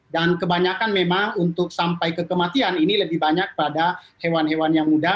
dan kebanyakan memang untuk sampai ke kematian ini lebih banyak pada hewan hewan yang muda